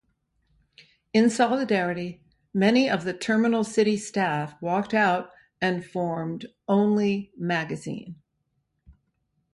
In solidarity, many of the "Terminal City" staff walked out and formed "Only Magazine".